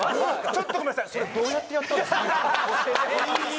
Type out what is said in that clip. ちょっとごめんなさいいいいい！